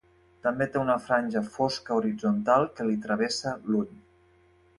També té una franja fosca horitzontal que li travessa l'ull.